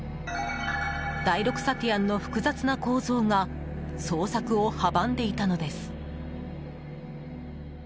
第６サティアンの複雑な構造が捜索を阻んでいたのです。